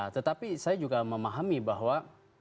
tetapi saya juga memahami bahwa